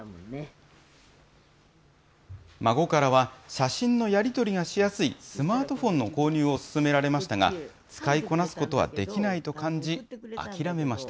孫からは写真のやり取りがしやすいスマートフォンの購入を勧められましたが、使いこなすことはできないと感じ、諦めました。